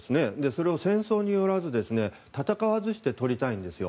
それを戦争によらず戦わずしてとりたいんですよ。